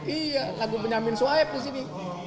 iya lagu benyamin soeb di sini